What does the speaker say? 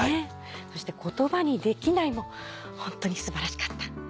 そして『言葉にできない』もホントに素晴らしかった。